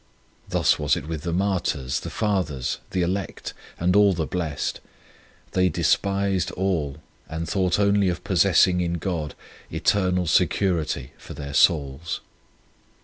Thus was it with the martyrs, the Fathers, the elect, and all the blessed. They despised all and thought only of possessing in God eternal security for their souls.